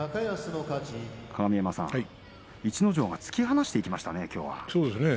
鏡山さん、逸ノ城が突き放していきましたね。